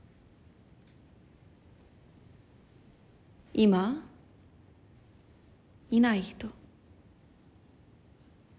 今いない人。